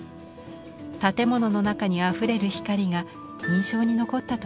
建物の中にあふれる光が印象に残ったといいます。